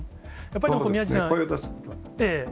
やっぱり、宮治さん。